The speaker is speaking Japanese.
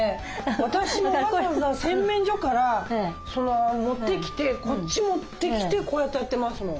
私もわざわざ洗面所から持ってきてこっち持ってきてこうやってやってますもん。